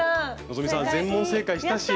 希さん全問正解したし。